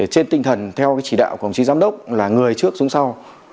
trên tinh thần theo chỉ đạo của chính giám đốc là người trước xuống sau